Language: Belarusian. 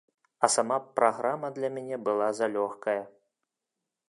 А сама праграма для мяне была залёгкая.